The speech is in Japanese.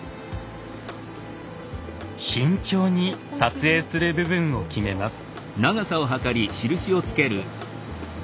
慎重に撮影する部分を決めます。